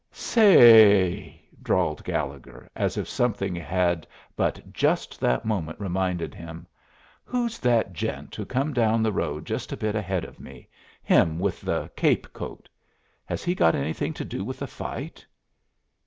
"Sa a y," drawled Gallegher, as if something had but just that moment reminded him. "Who's that gent who come down the road just a bit ahead of me him with the cape coat! Has he got anything to do with the fight?"